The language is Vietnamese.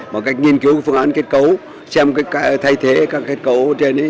một cách nghiên cứu phương án kết cấu xem cái thay thế các kết cấu trên ấy